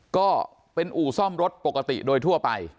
ก็เป็นอู่ซ่อมรถปกติโดยทั่วไป